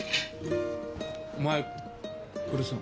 お前これさ。